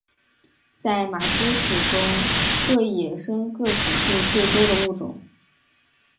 在马鸡属中个野生个体数最多的物种。